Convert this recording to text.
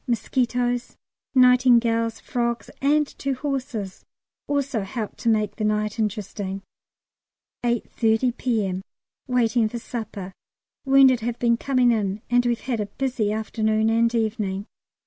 Mosquitoes, nightingales, frogs, and two horses also helped to make the night interesting. 8.30 P.M. Waiting for supper. Wounded have been coming in, and we've had a busy afternoon and evening.